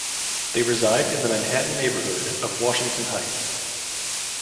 They reside in the Manhattan neighborhood of Washington Heights.